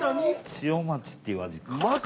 千代町っていう味